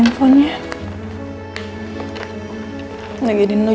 untuk gua bawa porno